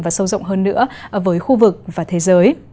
và sâu rộng hơn nữa với khu vực và thế giới